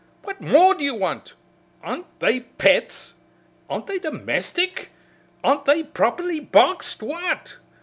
"What more do you want? Aren't they pets? Aren't they domestic? Aren't they properly boxed? What?"